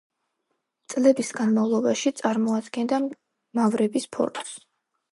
წლების განმავლობაში წარმოადგენდა მავრების ფორტს.